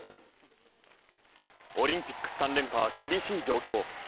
オリンピック３連覇は厳しい状況。